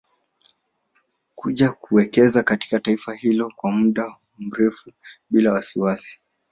Kuja kuwekeza katika taifa hilo kwa mda mrefu bila wasiwasi